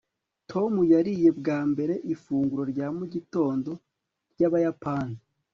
tom yariye bwa mbere ifunguro rya mugitondo ryabayapani